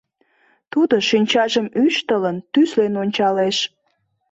Тудо, шинчажым ӱштылын, тӱслен ончалеш.